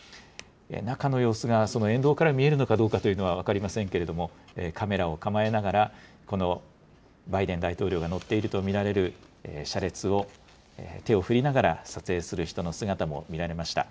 中の様子が沿道から見えるのかどうかというのは分かりませんけれども、カメラを構えながら、このバイデン大統領が乗っていると見られる車列を手を振りながら撮影する人の姿も見られました。